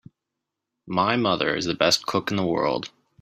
My mother is the best cook in the world!